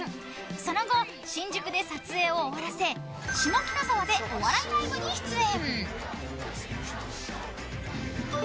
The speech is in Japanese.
その後、新宿で撮影を終わらせ下北沢でお笑いライブに出演。